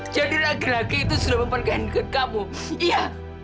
jadi laki laki itu sudah memperkenankan kamu iya